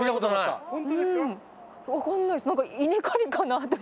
何か稲刈りかなと。